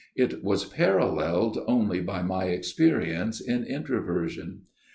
It was paralleled only by my experience in introversion.